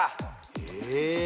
え？